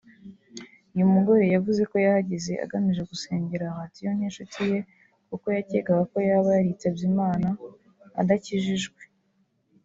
uyu mugore yavuze ko yahageze agamije gusengera Radio nk’inshuti ye kuko yakekaga ko yaba yaritabye Imana adakijijwe